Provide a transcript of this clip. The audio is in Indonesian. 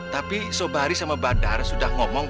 tapi sobare sama badar sudah ngomong